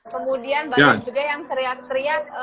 kemudian banyak juga yang teriak teriak